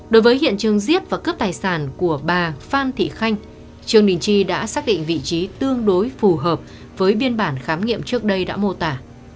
đối với hiện trường giết và cướp tài sản của bà phan thị khanh trương đình chi đã xác định vị trí tương đối phù hợp với biên bản khám nghiệm trước đây đã mô tả